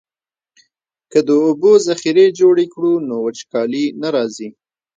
که د اوبو ذخیرې جوړې کړو نو وچکالي نه راځي.